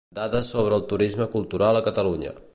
Dades sobre el turisme cultural a Catalunya.